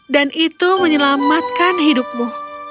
dan itu menyelamatkan hidupmu